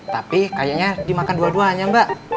tapi kayaknya dimakan dua duanya mbak